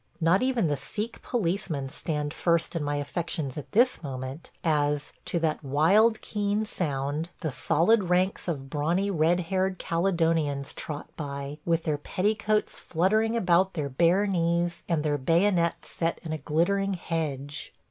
Not even the Sikh policemen stand first in my affections at this moment, as, to that wild keen sound, the solid ranks of brawny red haired Caledonians trot by, with their petticoats fluttering about their bare knees and their bayonets set in a glittering hedge.